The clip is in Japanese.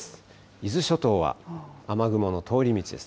伊豆諸島は雨雲の通り道です。